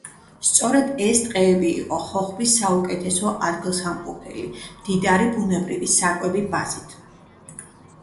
სწორედ, ეს ტყეები იყო ხოხბის საუკეთესო ადგილსამყოფელი მდიდარი ბუნებრივი საკვები ბაზით.